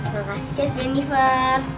makasih chef jennifer